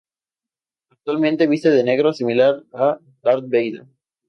Actualmente viste de negro similar a Darth Vader.